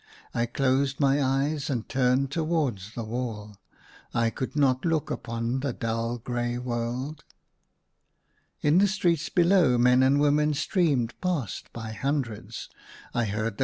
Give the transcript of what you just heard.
I closed my eyes and turned towards the wall : I could not look upon the dull grey world. In the streets below, men and women streamed past by hundreds ; I heard the ACROSS MY BED.